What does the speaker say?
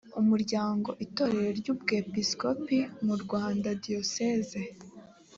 umuryango itorero ry ubwepiskopi mu rwanda diyoseze